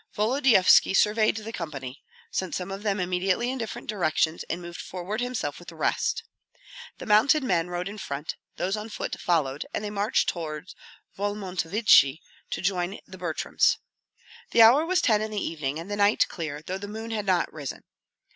Volodyovski surveyed the company, sent some of them immediately in different directions, and moved forward himself with the rest. The mounted men rode in front, those on foot followed, and they marched toward Volmontovichi to join the Butryms. The hour was ten in the evening, and the night clear, though the moon had not risen.